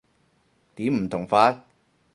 點唔同法？